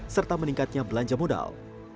serta meningkatnya belanja modal